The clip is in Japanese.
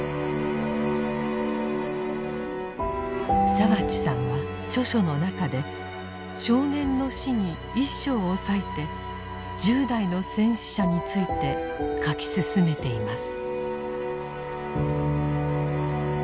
澤地さんは著書の中で「少年の死」に１章を割いて１０代の戦死者について書き進めています。